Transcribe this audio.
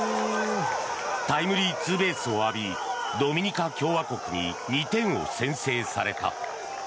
タイムリーツーベースを浴びドミニカ共和国に２点を先制された。